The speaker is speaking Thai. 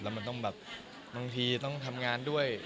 มันต้องแบบบางทีต้องทำงานด้วย